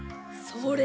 それ！